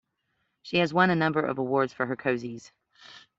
She has won a number of awards for her cosies.